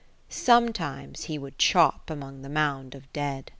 Sometimes he would chop among the mound of dead.